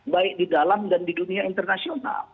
baik di dalam dan di dunia internasional